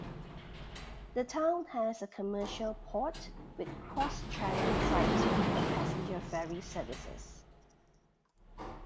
The town has a commercial port with cross-Channel freight and passenger ferry services.